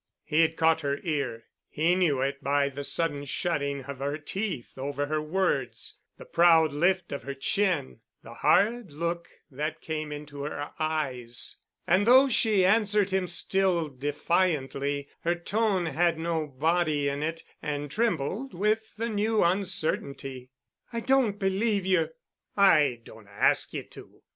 He had caught her ear. He knew it by the sudden shutting of her teeth over her words, the proud lift of her chin, the hard look that came into her eyes. And though she answered him still defiantly, her tone had no body in it and trembled with the new uncertainty. "I don't believe you." "I don't ask ye to.